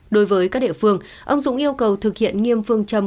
đối với các địa phương ông dũng yêu cầu thực hiện nghiêm phương châm